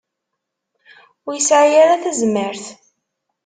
Ur yesɛi ara tazmert.